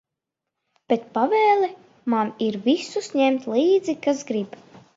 Bet pavēle man ir visus ņemt līdzi, kas grib.